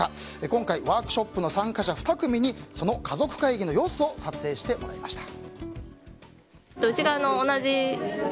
今回、ワークショップの参加者２組にそのかぞくかいぎの様子を撮影してもらいました。